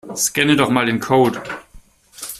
Scanne doch mal den Code.